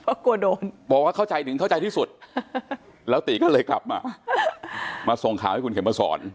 ก็กลัวโดนบอกว่าเข้าใจถึงเข้าใจที่สุดแล้วตีก็เลยกลับมามาส่งข่าวให้คุณเข็มมาสอน